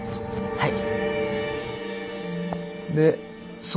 はい。